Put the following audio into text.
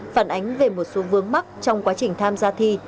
phản ánh về một số vướng mắt trong quá trình tham gia thi